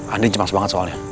andin cepat sekali soalnya